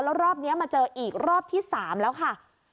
แล้วรอบนี้มาเจออีกรอบที่๓แล้วค่ะ